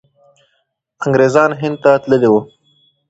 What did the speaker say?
انګریزان هند ته تللي وو.